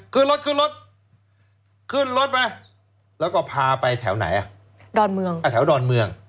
ขึ้นรถขึ้นรถขึ้นรถไปแล้วก็พาไปแถวไหนอ่ะดอนเมืองอ่ะแถวดอนเมือง